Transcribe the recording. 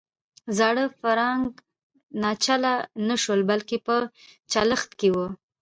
زاړه فرانک ناچله نه شول بلکې په چلښت کې وو.